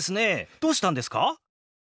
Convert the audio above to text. どうしたんですか？